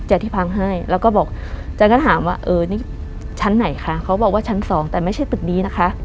ที่พังให้แล้วก็บอกแกก็ถามว่าเออนี่ชั้นไหนคะเขาบอกว่าชั้นสองแต่ไม่ใช่ตึกนี้นะคะ